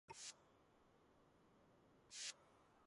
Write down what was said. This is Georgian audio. ქალაქი გამოირჩევა ადგილობრივ ინდიელთა დიდი რაოდენობით.